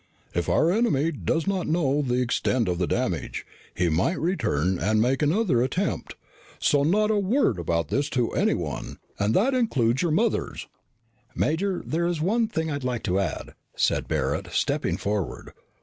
If our enemy does not know the extent of the damage, then he might return and make another attempt. So, not a word about this to anyone. And that includes your mothers." "Major, there is one thing I'd like to add," said Barret, stepping forward.